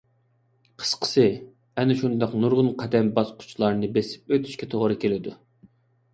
قىسقىسى، ئەنە شۇنداق نۇرغۇن قەدەم - باسقۇچىلارنى بېسىپ ئۆتۈشكە توغرا كېلىدۇ.